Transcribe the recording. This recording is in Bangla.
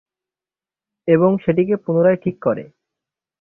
এবং সেটিকে পুনরায় ঠিক করে।